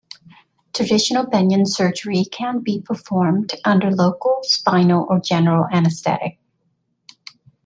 Traditional bunion surgery can be performed under local, spinal or general anesthetic.